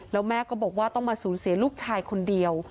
แล้วแม่ก็บอกว่าต้องมาสูญเสียลูกชายคนเดียว